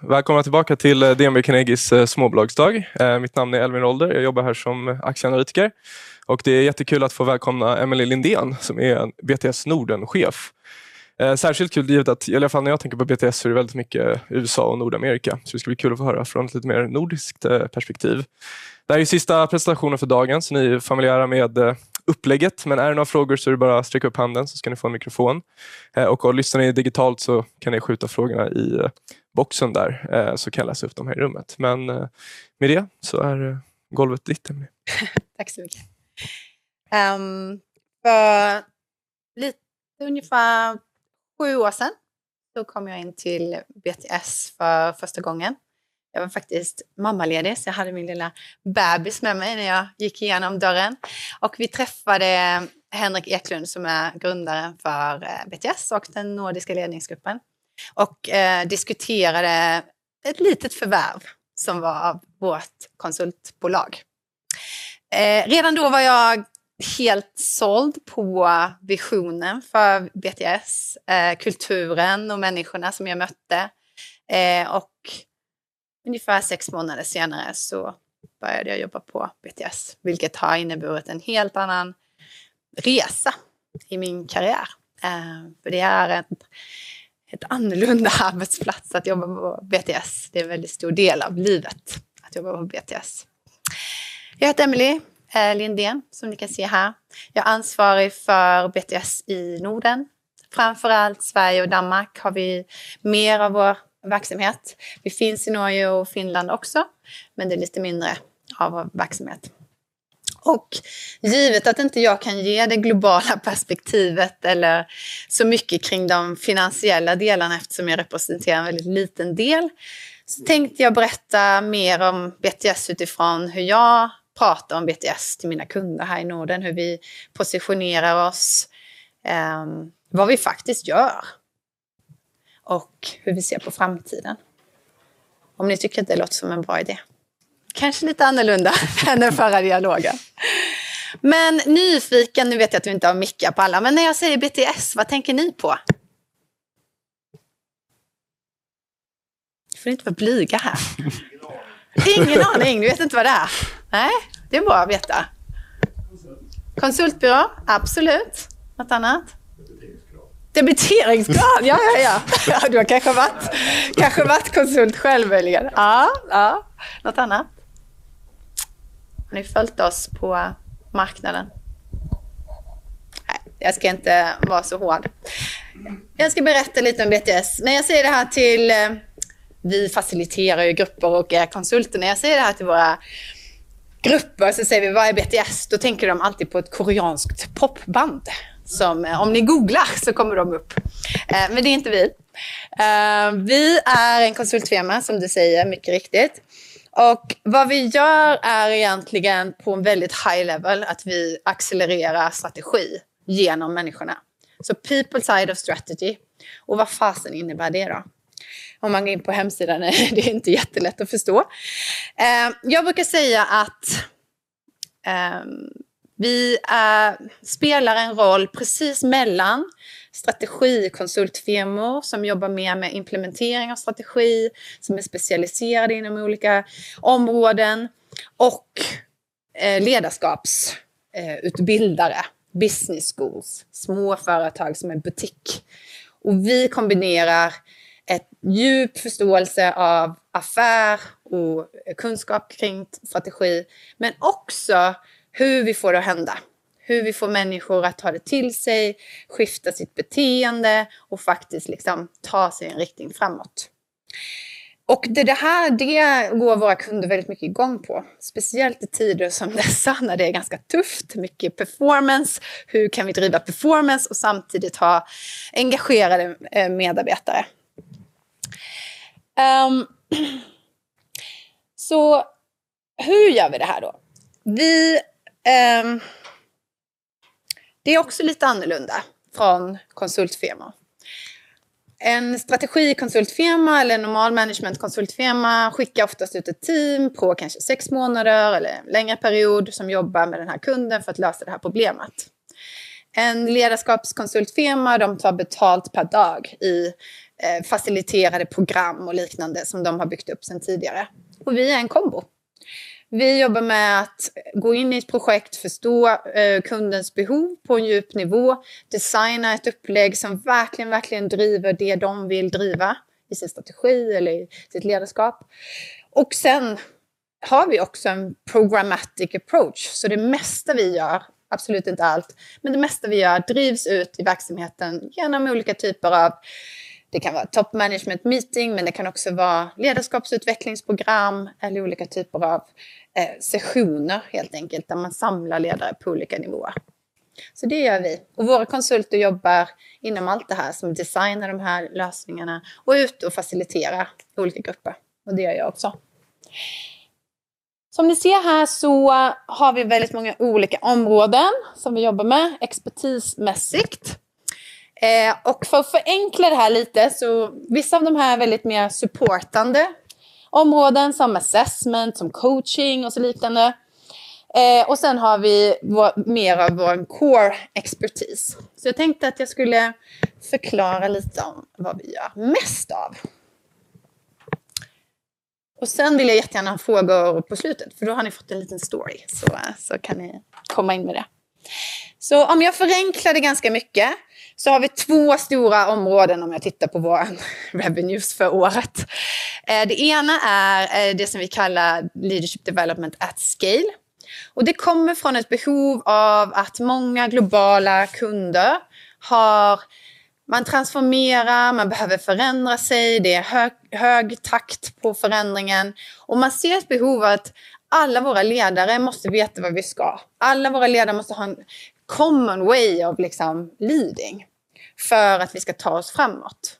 Välkomna tillbaka till DNB Carnegies Småbolagsdag. Mitt namn är Elvin Rolder, jag jobbar här som aktieanalytiker och det är jättekul att få välkomna Emelie Lindén som är BTS Nordenchef. Särskilt kul givet att i alla fall när jag tänker på BTS så är det väldigt mycket USA och Nordamerika, så det ska bli kul att få höra från ett lite mer nordiskt perspektiv. Det här är ju sista presentationen för dagen, så ni är ju familjära med upplägget, men är det några frågor så är det bara att sträcka upp handen så ska ni få en mikrofon. Och lyssnar ni digitalt så kan ni skjuta frågorna i boxen där, så kan jag läsa upp dem här i rummet. Men med det så är golvet ditt, Emelie. Tack så mycket. För lite ungefär sju år sedan så kom jag in till BTS för första gången. Jag var faktiskt mammaledig, så jag hade min lilla bebis med mig när jag gick igenom dörren. Vi träffade Henrik Ekelund som är grundaren för BTS och den nordiska ledningsgruppen. Diskuterade ett litet förvärv som var av vårt konsultbolag. Redan då var jag helt såld på visionen för BTS, kulturen och människorna som jag mötte. Ungefär sex månader senare så började jag jobba på BTS, vilket har inneburit en helt annan resa i min karriär. Det är en annorlunda arbetsplats att jobba på BTS. Det är en väldigt stor del av livet att jobba på BTS. Jag heter Emelie Lindén som ni kan se här. Jag är ansvarig för BTS i Norden, framför allt Sverige och Danmark har vi mer av vår verksamhet. Vi finns i Norge och Finland också, men det är lite mindre av vår verksamhet. Och givet att inte jag kan ge det globala perspektivet eller så mycket kring de finansiella delarna eftersom jag representerar en väldigt liten del, så tänkte jag berätta mer om BTS utifrån hur jag pratar om BTS till mina kunder här i Norden, hur vi positionerar oss, vad vi faktiskt gör och hur vi ser på framtiden. Om ni tycker att det låter som en bra idé. Kanske lite annorlunda än den förra dialogen. Men nyfiken, nu vet jag att vi inte har mickar på alla, men när jag säger BTS, vad tänker ni på? Ni får inte vara blyga här. Ingen aning, ni vet inte vad det är. Nej, det är bra att veta. Konsultbyrå, absolut. Något annat? Debiteringsglad. Debiteringsglad, ja, ja, ja. Du har kanske varit konsult själv, möjligen. Ja, ja. Något annat? Har ni följt oss på marknaden? Nej, jag ska inte vara så hård. Jag ska berätta lite om BTS. När jag säger det här till, vi faciliterar ju grupper och är konsulter, när jag säger det här till våra grupper så säger vi: "Vad är BTS?" Då tänker de alltid på ett koreanskt popband. Som om ni googlar så kommer de upp. Men det är inte vi. Vi är en konsultfirma, som du säger, mycket riktigt. Och vad vi gör är egentligen på en väldigt high level att vi accelererar strategi genom människorna. Så people side of strategy. Och vad fan innebär det då? Om man går in på hemsidan, det är inte jättelätt att förstå. Jag brukar säga att vi spelar en roll precis mellan strategikonsultfirmor som jobbar mer med implementering av strategi, som är specialiserade inom olika områden och ledarskapsutbildare, business schools, små företag som är butik. Vi kombinerar en djup förståelse av affär och kunskap kring strategi, men också hur vi får det att hända. Hur vi får människor att ta det till sig, skifta sitt beteende och faktiskt ta sig i en riktning framåt. Det här går våra kunder väldigt mycket igång på, speciellt i tider som dessa när det är ganska tufft, mycket performance. Hur kan vi driva performance och samtidigt ha engagerade medarbetare? Så hur gör vi det här då? Det är också lite annorlunda från konsultfirma. En strategikonsultfirma eller en normal managementkonsultfirma skickar oftast ut ett team på kanske sex månader eller en längre period som jobbar med den här kunden för att lösa det här problemet. En ledarskapskonsultfirma, de tar betalt per dag i faciliterade program och liknande som de har byggt upp sedan tidigare. Och vi är en kombo. Vi jobbar med att gå in i ett projekt, förstå kundens behov på en djup nivå, designa ett upplägg som verkligen, verkligen driver det de vill driva i sin strategi eller i sitt ledarskap. Och sen har vi också en programmatic approach, så det mesta vi gör, absolut inte allt, men det mesta vi gör drivs ut i verksamheten genom olika typer av, det kan vara top management meeting, men det kan också vara ledarskapsutvecklingsprogram eller olika typer av sessioner helt enkelt där man samlar ledare på olika nivåer. Så det gör vi. Och våra konsulter jobbar inom allt det här som designar de här lösningarna och är ute och faciliterar olika grupper. Och det gör jag också. Som ni ser här så har vi väldigt många olika områden som vi jobbar med expertismässigt. Och för att förenkla det här lite så, vissa av de här är väldigt mer supportande områden som assessment, som coaching och så liknande. Och sen har vi mer av vår core expertise. Så jag tänkte att jag skulle förklara lite om vad vi gör mest av. Och sen vill jag jättegärna ha frågor på slutet, för då har ni fått en liten story, så kan ni komma in med det. Så om jag förenklar det ganska mycket så har vi två stora områden om jag tittar på våra revenues för året. Det ena är det som vi kallar leadership development at scale. Och det kommer från ett behov av att många globala kunder har, man transformerar, man behöver förändra sig, det är hög takt på förändringen. Och man ser ett behov av att alla våra ledare måste veta vad vi ska. Alla våra ledare måste ha en common way of leading för att vi ska ta oss framåt.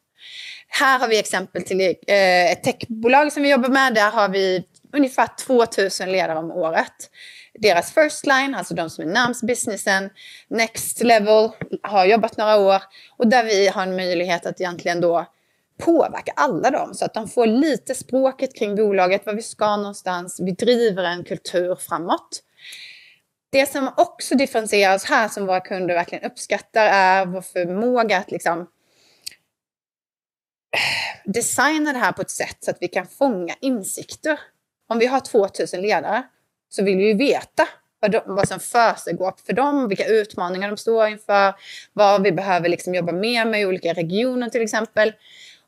Här har vi exempel till ett techbolag som vi jobbar med, där har vi ungefär 2000 ledare om året. Deras first line, alltså de som är namnsbusinessen, next level har jobbat några år, och där vi har en möjlighet att egentligen då påverka alla dem så att de får lite språket kring bolaget, vad vi ska någonstans, vi driver en kultur framåt. Det som också differentierar oss här som våra kunder verkligen uppskattar är vår förmåga att designa det här på ett sätt så att vi kan fånga insikter. Om vi har 2000 ledare så vill vi ju veta vad som föregår för dem, vilka utmaningar de står inför, vad vi behöver jobba mer med i olika regioner till exempel.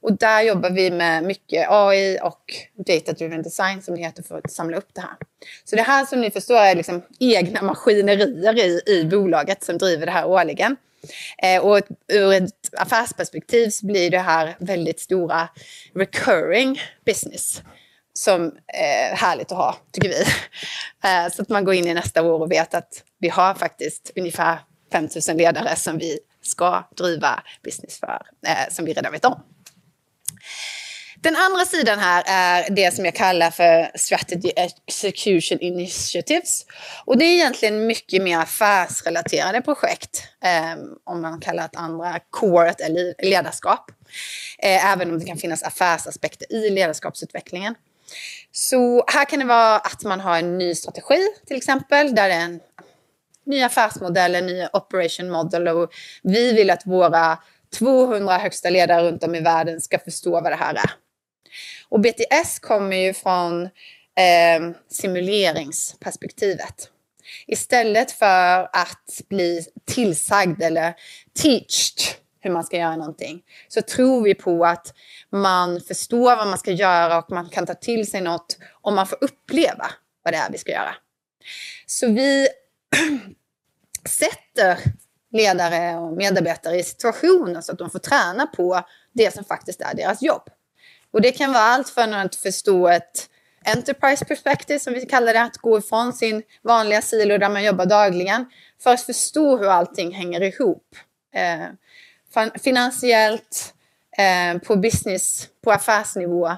Där jobbar vi med mycket AI och data-driven design som det heter för att samla upp det här. Det här som ni förstår är egna maskinerier i bolaget som driver det här årligen. Ur ett affärsperspektiv så blir det här väldigt stora recurring business som är härligt att ha, tycker vi. Man går in i nästa år och vet att vi har faktiskt ungefär 5000 ledare som vi ska driva business för, som vi redan vet om. Den andra sidan här är det som jag kallar för strategy execution initiatives. Det är egentligen mycket mer affärsrelaterade projekt, om man kallar det andra core eller ledarskap. Även om det kan finnas affärsaspekter i ledarskapsutvecklingen, så här kan det vara att man har en ny strategi till exempel, där det är en ny affärsmodell, en ny operationsmodell, och vi vill att våra 200 högsta ledare runt om i världen ska förstå vad det här är. BTS kommer ju från simuleringsperspektivet. Istället för att bli tillsagd eller undervisad hur man ska göra någonting, så tror vi på att man förstår vad man ska göra och man kan ta till sig något och man får uppleva vad det är vi ska göra. Vi sätter ledare och medarbetare i situationer så att de får träna på det som faktiskt är deras jobb. Det kan vara allt från att förstå ett företagsperspektiv som vi kallar det, att gå ifrån sin vanliga silo där man jobbar dagligen, för att förstå hur allting hänger ihop. Finansiellt, på business, på affärsnivå,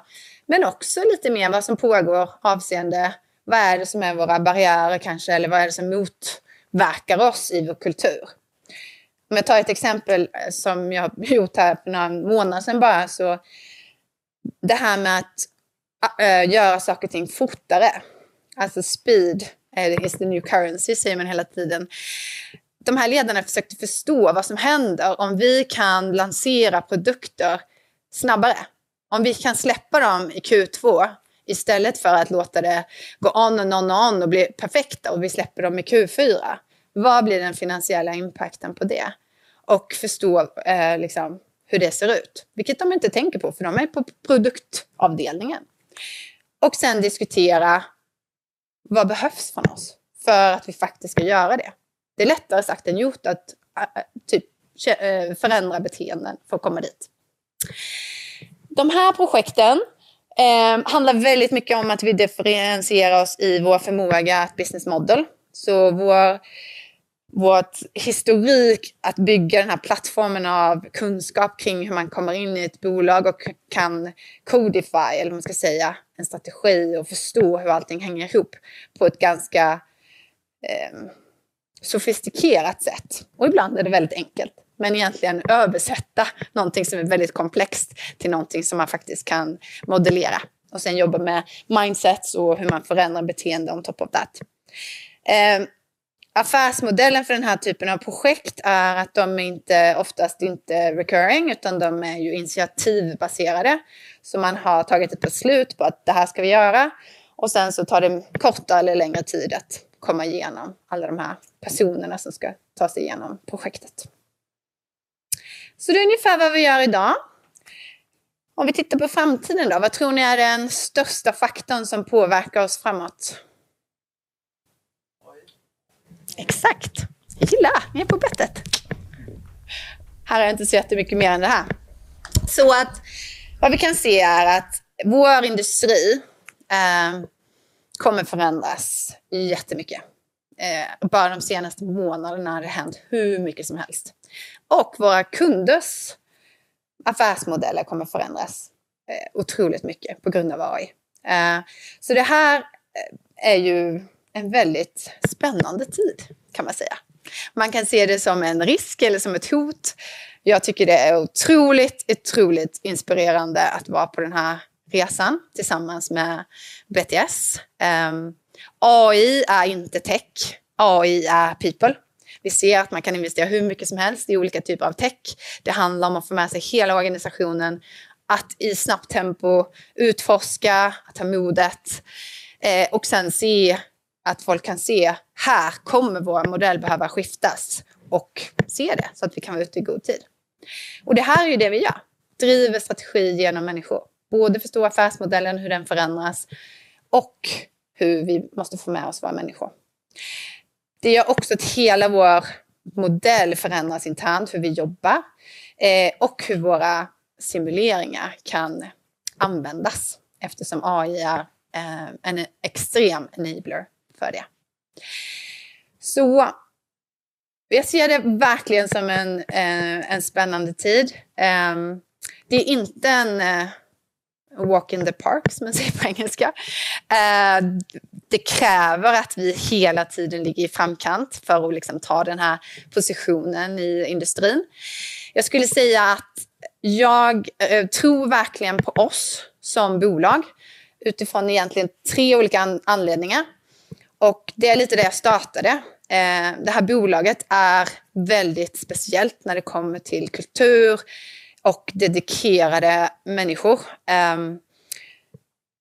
men också lite mer vad som pågår avseende vad är det som är våra barriärer kanske, eller vad är det som motverkar oss i vår kultur. Om jag tar ett exempel som jag har gjort här för någon månad sedan bara, så det här med att göra saker och ting fortare, alltså speed, it is the new currency, säger man hela tiden. De här ledarna försökte förstå vad som händer om vi kan lansera produkter snabbare. Om vi kan släppa dem i Q2 istället för att låta det gå on and on and on och bli perfekta och vi släpper dem i Q4, vad blir den finansiella impacten på det? Förstå liksom hur det ser ut, vilket de inte tänker på, för de är på produktavdelningen. Sen diskutera vad behövs från oss för att vi faktiskt ska göra det. Det är lättare sagt än gjort att förändra beteenden för att komma dit. De här projekten handlar väldigt mycket om att vi differentierar oss i vår förmåga att business model. Så vår historik att bygga den här plattformen av kunskap kring hur man kommer in i ett bolag och kan codify, eller vad man ska säga, en strategi och förstå hur allting hänger ihop på ett ganska sofistikerat sätt. Ibland är det väldigt enkelt, men egentligen översätta någonting som är väldigt komplext till någonting som man faktiskt kan modellera. Sen jobba med mindsets och hur man förändrar beteende on top of that. Affärsmodellen för den här typen av projekt är att de oftast inte är recurring, utan de är initiativbaserade. Man har tagit ett beslut på att det här ska vi göra, och sen tar det korta eller längre tid att komma igenom alla de här personerna som ska ta sig igenom projektet. Det är ungefär vad vi gör idag. Om vi tittar på framtiden då, vad tror ni är den största faktorn som påverkar oss framåt? Exakt. Jag gillar, ni är på bettet. Här har jag inte sett det mycket mer än det här. Vad vi kan se är att vår industri kommer förändras jättemycket. Bara de senaste månaderna har det hänt hur mycket som helst. Våra kunders affärsmodeller kommer förändras otroligt mycket på grund av AI. Det här är ju en väldigt spännande tid, kan man säga. Man kan se det som en risk eller som ett hot. Jag tycker det är otroligt, otroligt inspirerande att vara på den här resan tillsammans med BTS. AI är inte tech, AI är people. Vi ser att man kan investera hur mycket som helst i olika typer av tech. Det handlar om att få med sig hela organisationen, att i snabbt tempo utforska, att ta modet, och sen se att folk kan se, här kommer vår modell behöva skiftas och se det så att vi kan vara ute i god tid. Det här är ju det vi gör. Driver strategi genom människor, både förstå affärsmodellen, hur den förändras och hur vi måste få med oss våra människor. Det gör också att hela vår modell förändras internt hur vi jobbar, och hur våra simuleringar kan användas eftersom AI är en extrem enabler för det. Så jag ser det verkligen som en spännande tid. Det är inte en walk in the park, som man säger på engelska. Det kräver att vi hela tiden ligger i framkant för att ta den här positionen i industrin. Jag skulle säga att jag tror verkligen på oss som bolag utifrån egentligen tre olika anledningar. Och det är lite det jag startade. Det här bolaget är väldigt speciellt när det kommer till kultur och dedikerade människor.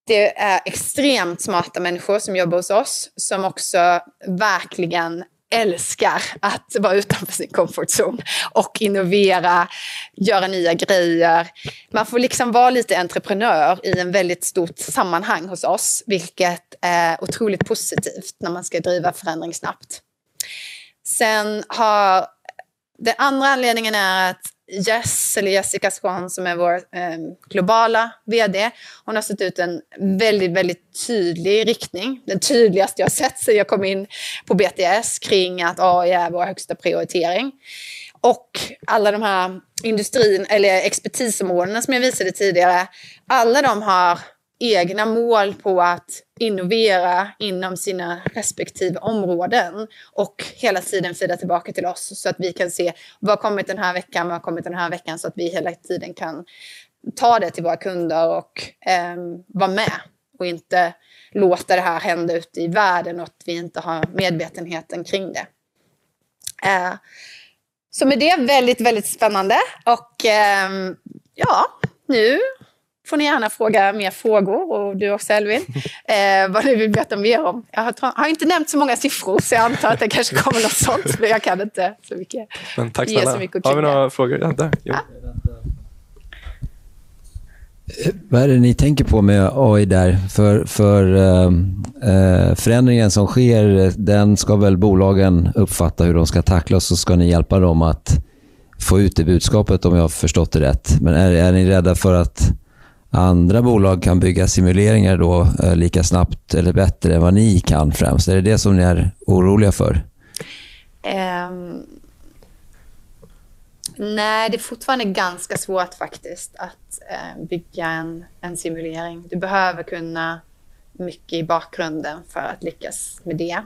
Det är extremt smarta människor som jobbar hos oss, som också verkligen älskar att vara utanför sin comfort zone och innovera, göra nya grejer. Man får vara lite entreprenör i en väldigt stor sammanhang hos oss, vilket är otroligt positivt när man ska driva förändring snabbt. Sen har den andra anledningen är att Jess, eller Jessica Swan, som är vår globala VD, hon har suttit ut en väldigt, väldigt tydlig riktning. Det tydligaste jag har sett sedan jag kom in på BTS kring att AI är vår högsta prioritering. Alla de här expertisområdena som jag visade tidigare, alla de har egna mål på att innovera inom sina respektive områden och hela tiden feeda tillbaka till oss så att vi kan se, vad har kommit den här veckan, vad har kommit den här veckan så att vi hela tiden kan ta det till våra kunder och vara med och inte låta det här hända ute i världen och att vi inte har medvetenheten kring det. Det är väldigt, väldigt spännande. Ja, nu får ni gärna fråga mer frågor, och du också, Elvin, vad ni vill veta mer om. Jag har inte nämnt så många siffror, så jag antar att det kanske kommer något sånt, men jag kan inte så mycket. Tack snälla. Har vi några frågor? Vad är det ni tänker på med AI där? För förändringen som sker, den ska väl bolagen uppfatta hur de ska tackla, och så ska ni hjälpa dem att få ut det budskapet, om jag har förstått det rätt. Men är ni rädda för att andra bolag kan bygga simuleringar då lika snabbt eller bättre än vad ni kan främst? Är det det som ni är oroliga för? Nej, det är fortfarande ganska svårt faktiskt att bygga en simulering. Du behöver kunna mycket i bakgrunden för att lyckas med det.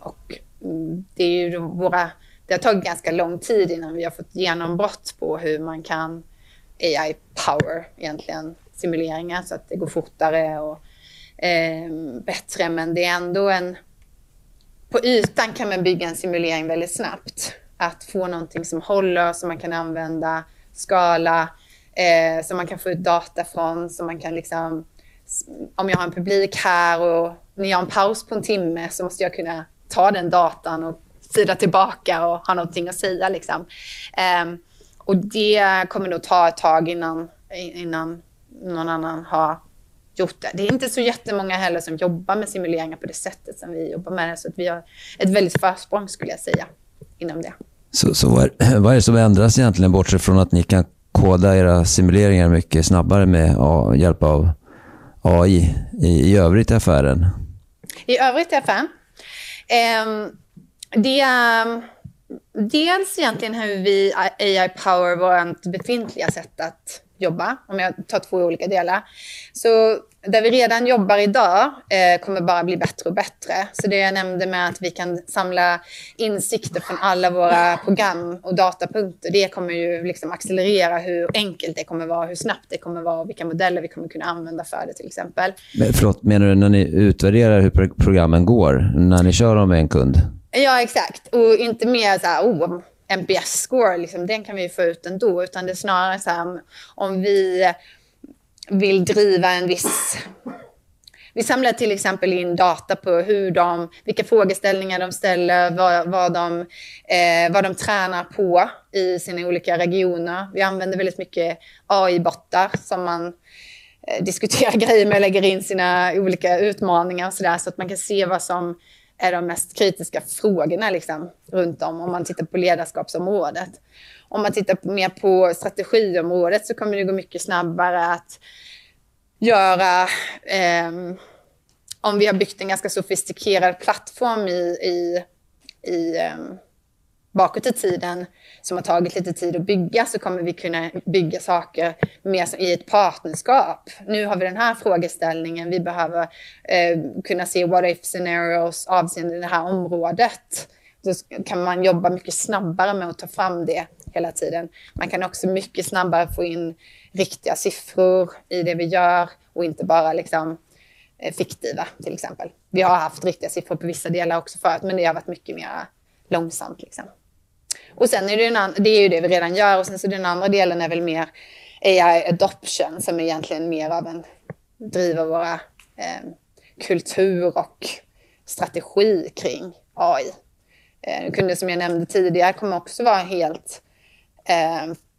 Och det är ju våra, det har tagit ganska lång tid innan vi har fått genombrott på hur man kan AI power egentligen, simuleringar så att det går fortare och bättre. Men det är ändå en, på ytan kan man bygga en simulering väldigt snabbt. Att få någonting som håller, som man kan använda, skala, som man kan få ut data från, som man kan liksom, om jag har en publik här och ni har en paus på en timme så måste jag kunna ta den datan och feeda tillbaka och ha någonting att säga. Och det kommer nog ta ett tag innan någon annan har gjort det. Det är inte så jättemånga heller som jobbar med simuleringar på det sättet som vi jobbar med det, så att vi har ett väldigt försprång skulle jag säga inom det. Så vad är det som ändras egentligen bortsett från att ni kan koda era simuleringar mycket snabbare med hjälp av AI i övrigt i affären? I övrigt i affären? Det är dels egentligen hur vi AI power vårt befintliga sätt att jobba, om jag tar två olika delar. Så där vi redan jobbar idag kommer bara bli bättre och bättre. Det jag nämnde med att vi kan samla insikter från alla våra program och datapunkter, det kommer ju accelerera hur enkelt det kommer vara, hur snabbt det kommer vara och vilka modeller vi kommer kunna använda för det till exempel. Förlåt, menar du när ni utvärderar hur programmen går, när ni kör dem med en kund? Ja, exakt. Inte mer så här, NPS-score, den kan vi ju få ut ändå, utan det är snarare så här, om vi vill driva en viss, vi samlar till exempel in data på hur de, vilka frågeställningar de ställer, vad de tränar på i sina olika regioner. Vi använder väldigt mycket AI-bottar som man diskuterar grejer med och lägger in sina olika utmaningar och så där, så att man kan se vad som är de mest kritiska frågorna runt om, om man tittar på ledarskapsområdet. Om man tittar mer på strategiområdet så kommer det gå mycket snabbare att göra. Om vi har byggt en ganska sofistikerad plattform bakåt i tiden som har tagit lite tid att bygga, så kommer vi kunna bygga saker mer som i ett partnerskap. Nu har vi den här frågeställningen, vi behöver kunna se what-if scenarios avseende det här området. Så kan man jobba mycket snabbare med att ta fram det hela tiden. Man kan också mycket snabbare få in riktiga siffror i det vi gör och inte bara fiktiva till exempel. Vi har haft riktiga siffror på vissa delar också förut, men det har varit mycket mer långsamt. Och sen är det ju en annan, det är ju det vi redan gör, och sen så den andra delen är väl mer AI adoption som är egentligen mer av en driv av våra kultur och strategi kring AI. Kunder som jag nämnde tidigare kommer också vara helt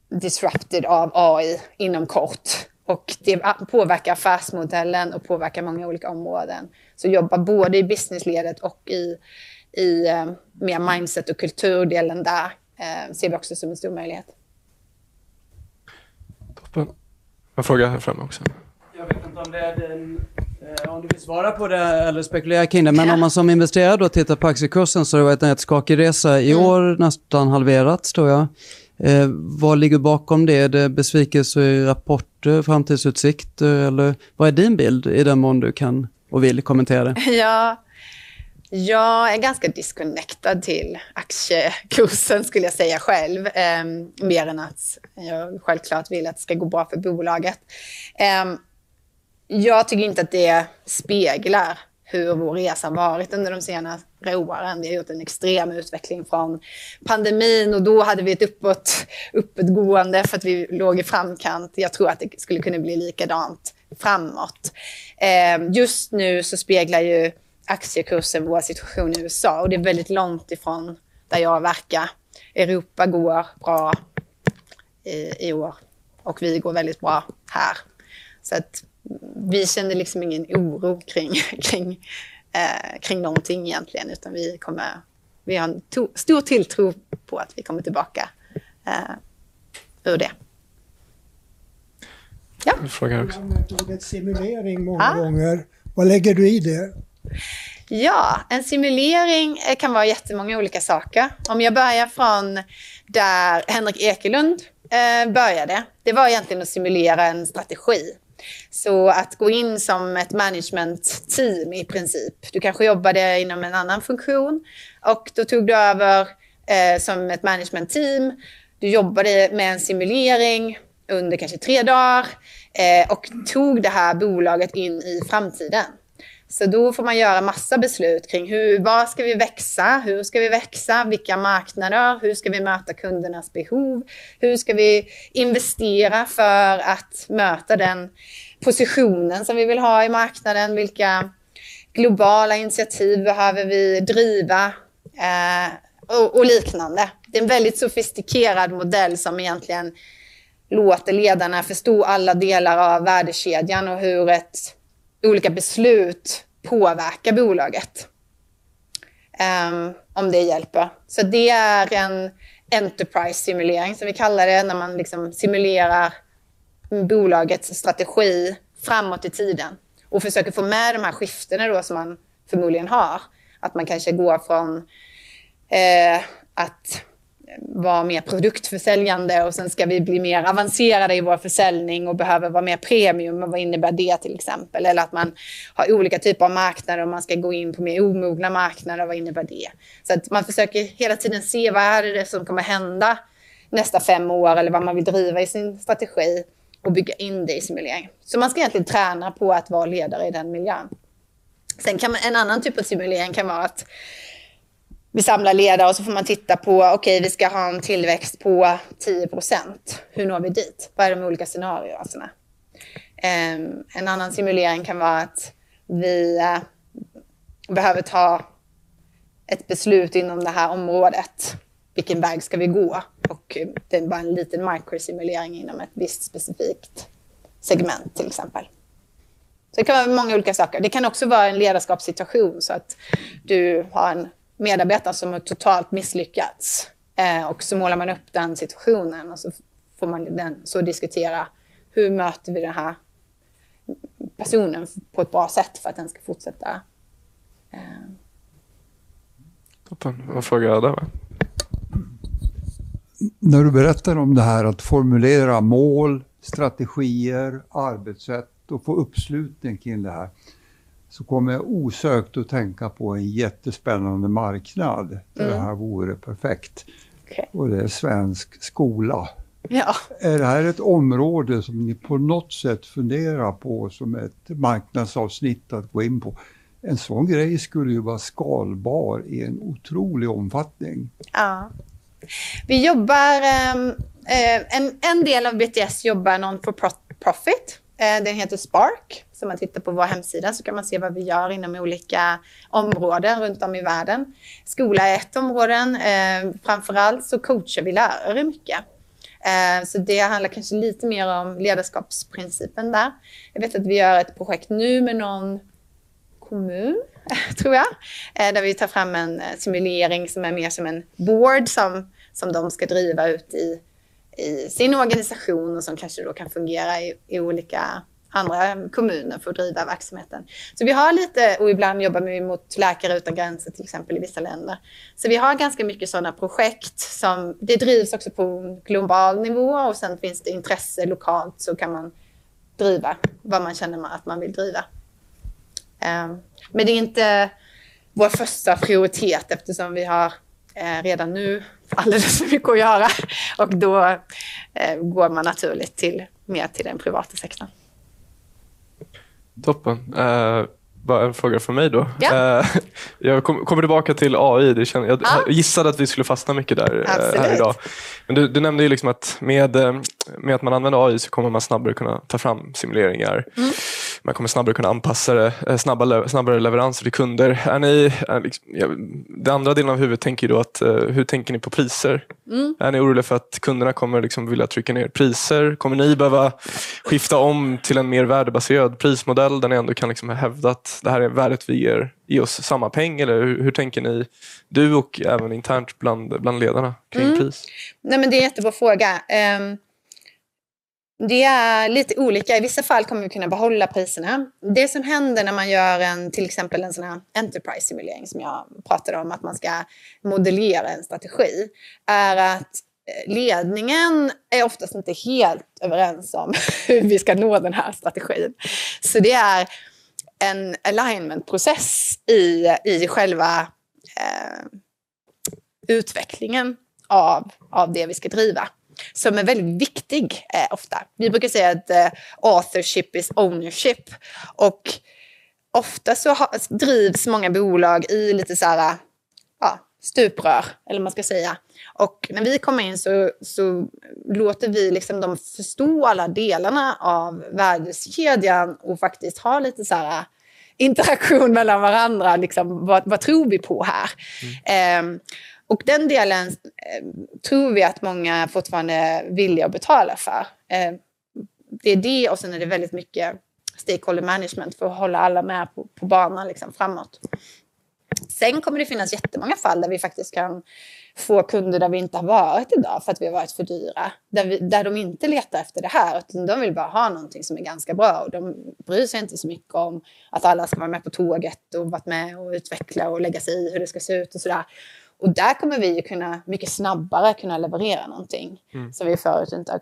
disrupted av AI inom kort, och det påverkar affärsmodellen och påverkar många olika områden. Så jobba både i businessledet och i mer mindset och kulturdelen där, ser vi också som en stor möjlighet. En fråga här framme också. Jag vet inte om det är din, om du vill svara på det eller spekulera kring det, men om man som investerare då tittar på aktiekursen så har det varit en rätt skakig resa i år, nästan halverat tror jag. Vad ligger bakom det? Är det besvikelser i rapporter, framtidsutsikter, eller vad är din bild i den mån du kan och vill kommentera det? Ja, jag är ganska disconnectad till aktiekursen skulle jag säga själv, mer än att jag självklart vill att det ska gå bra för bolaget. Jag tycker inte att det speglar hur vår resa har varit under de senaste åren. Vi har gjort en extrem utveckling från pandemin, och då hade vi ett uppåtgående för att vi låg i framkant. Jag tror att det skulle kunna bli likadant framåt. Just nu så speglar ju aktiekursen vår situation i USA, och det är väldigt långt ifrån där jag verkar. Europa går bra i år, och vi går väldigt bra här. Vi känner liksom ingen oro kring någonting egentligen, utan vi kommer, vi har en stor tilltro på att vi kommer tillbaka ur det. Jag har en fråga också. Du har gjort en simulering många gånger. Vad lägger du i det? Ja, en simulering kan vara jättemånga olika saker. Om jag börjar från där Henrik Ekelund började, det var egentligen att simulera en strategi. Så att gå in som ett management team i princip. Du kanske jobbade inom en annan funktion, och då tog du över som ett management team. Du jobbade med en simulering under kanske tre dagar och tog det här bolaget in i framtiden. Så då får man göra massa beslut kring hur, vad ska vi växa, hur ska vi växa, vilka marknader, hur ska vi möta kundernas behov, hur ska vi investera för att möta den positionen som vi vill ha i marknaden, vilka globala initiativ behöver vi driva och liknande. Det är en väldigt sofistikerad modell som egentligen låter ledarna förstå alla delar av värdekedjan och hur olika beslut påverkar bolaget. Om det hjälper. Så det är en enterprise simulering som vi kallar det, när man simulerar bolagets strategi framåt i tiden och försöker få med de här skiftena då som man förmodligen har. Att man kanske går från att vara mer produktförsäljande och sen ska vi bli mer avancerade i vår försäljning och behöver vara mer premium, men vad innebär det till exempel? Eller att man har olika typer av marknader och man ska gå in på mer omogna marknader, och vad innebär det? Så att man försöker hela tiden se vad är det som kommer hända nästa fem år eller vad man vill driva i sin strategi och bygga in det i simuleringen. Så man ska egentligen träna på att vara ledare i den miljön. Sen kan man en annan typ av simulering kan vara att vi samlar ledare och så får man titta på, okej, vi ska ha en tillväxt på 10%. Hur når vi dit? Vad är de olika scenarierna? En annan simulering kan vara att vi behöver ta ett beslut inom det här området. Vilken väg ska vi gå? Det är bara en liten microsimulering inom ett visst specifikt segment till exempel. Det kan vara många olika saker. Det kan också vara en ledarskapssituation så att du har en medarbetare som har totalt misslyckats och så målar man upp den situationen och så får man diskutera hur möter vi den här personen på ett bra sätt för att den ska fortsätta. Vad frågade jag där? När du berättar om det här att formulera mål, strategier, arbetssätt och få uppslutning kring det här så kommer jag osökt att tänka på en jättespännande marknad där det här vore perfekt. Okej, och det är svensk skola. Ja, är det här ett område som ni på något sätt funderar på som ett marknadsavsnitt att gå in på? En sådan grej skulle ju vara skalbar i en otrolig omfattning. Ja, vi jobbar, en del av BTS jobbar någon för profit. Den heter Spark. Så om man tittar på vår hemsida så kan man se vad vi gör inom olika områden runt om i världen. Skola är ett område, framförallt så coachar vi lärare mycket. Så det handlar kanske lite mer om ledarskapsprincipen där. Jag vet att vi gör ett projekt nu med någon kommun, tror jag, där vi tar fram en simulering som är mer som en board som de ska driva ut i sin organisation och som kanske då kan fungera i olika andra kommuner för att driva verksamheten. Så vi har lite, och ibland jobbar vi mot Läkare utan gränser till exempel i vissa länder. Så vi har ganska mycket sådana projekt som det drivs också på global nivå och sen finns det intresse lokalt så kan man driva vad man känner att man vill driva. Men det är inte vår första prioritet eftersom vi har redan nu alldeles för mycket att göra och då går man naturligt till mer till den privata sektorn. Toppen. Bara en fråga från mig då. Jag kommer tillbaka till AI. Det känner jag gissade att vi skulle fastna mycket där här idag. Men du, du nämnde ju liksom att med att man använder AI så kommer man snabbare kunna ta fram simuleringar. Man kommer snabbare kunna anpassa det, snabbare leveranser till kunder. Är ni liksom, jag, den andra delen av huvudet tänker ju då att hur tänker ni på priser? Är ni oroliga för att kunderna kommer liksom vilja trycka ner priser? Kommer ni behöva skifta om till en mer värdebaserad prismodell där ni ändå kan liksom hävda att det här är värdet vi ger i oss samma pengar? Eller hur tänker ni, du och även internt bland bland ledarna kring pris? Nej, men det är en jättebra fråga. Det är lite olika. I vissa fall kommer vi kunna behålla priserna. Det som händer när man gör en, till exempel, en sådan här enterprise-simulering som jag pratade om, att man ska modellera en strategi, är att ledningen är oftast inte helt överens om hur vi ska nå den här strategin. Så det är en alignment-process i själva utvecklingen av det vi ska driva, som är väldigt viktig ofta. Vi brukar säga att authorship is ownership. Ofta så drivs många bolag i lite så här, ja, stuprör, eller vad man ska säga. När vi kommer in så låter vi liksom dem förstå alla delarna av värdekedjan och faktiskt ha lite så här interaktion mellan varandra, liksom vad tror vi på här? Den delen tror vi att många fortfarande är villiga att betala för. Det är det, och sen är det väldigt mycket stakeholder management för att hålla alla med på banan liksom framåt. Sen kommer det finnas jättemånga fall där vi faktiskt kan få kunder där vi inte har varit idag för att vi har varit för dyra, där de inte letar efter det här, utan de vill bara ha någonting som är ganska bra och de bryr sig inte så mycket om att alla ska vara med på tåget och varit med och utveckla och lägga sig i hur det ska se ut och så där. Där kommer vi ju kunna mycket snabbare kunna leverera någonting som vi förut inte har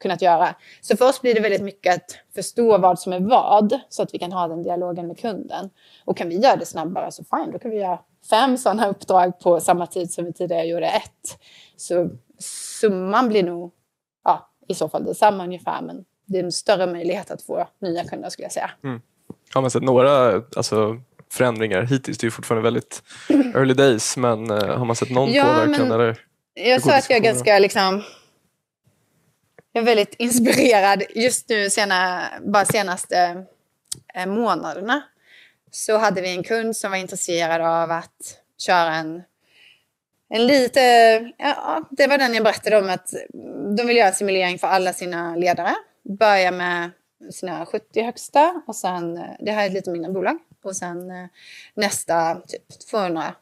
kunnat göra. För oss blir det väldigt mycket att förstå vad som är vad så att vi kan ha den dialogen med kunden. Kan vi göra det snabbare så fine, då kan vi göra fem sådana uppdrag på samma tid som vi tidigare gjorde ett. Så summan blir nog, ja, i så fall densamma ungefär, men det är en större möjlighet att få nya kunder skulle jag säga. Har man sett några, alltså, förändringar hittills? Det är ju fortfarande väldigt early days, men har man sett någon påverkning? Jag sa att jag är ganska liksom, jag är väldigt inspirerad just nu sena, bara senaste månaderna. Vi hade en kund som var intresserad av att köra en, en lite, ja, det var den jag berättade om att de ville göra en simulering för alla sina ledare. Börja med sina 70 högsta och sen, det här är ett lite mindre bolag, och sen nästa typ 250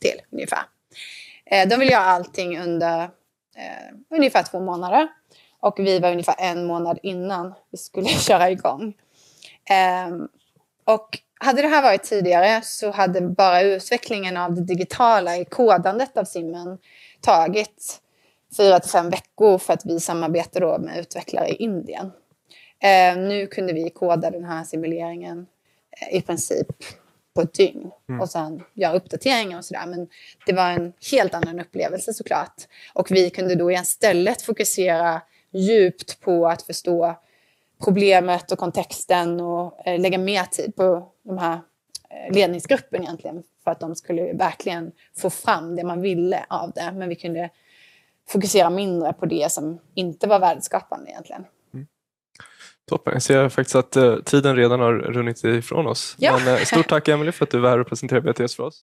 till ungefär. De ville göra allting under ungefär två månader och vi var ungefär en månad innan vi skulle köra igång. Och hade det här varit tidigare så hade bara utvecklingen av det digitala i kodandet av simmen tagit fyra till fem veckor för att vi samarbetar då med utvecklare i Indien. Nu kunde vi koda den här simuleringen i princip på ett dygn och sen göra uppdateringar och så där, men det var en helt annan upplevelse såklart. Och vi kunde då i stället fokusera djupt på att förstå problemet och kontexten och lägga mer tid på de här ledningsgruppen egentligen för att de skulle verkligen få fram det man ville av det, men vi kunde fokusera mindre på det som inte var värdeskapande egentligen. Toppen. Jag ser faktiskt att tiden redan har runnit ifrån oss. Men stort tack, Emilie, för att du är här och presenterar BTS för oss.